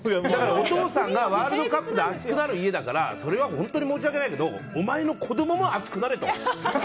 お父さんがワールドカップで熱くなる家だからそれは本当に申し訳ないけどお前の子供も熱くなれと。